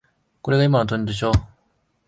これが今のトレンドでしょ